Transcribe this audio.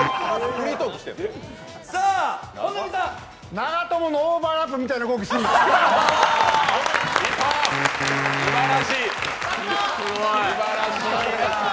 長友のオーバーラップみたいな動きするな。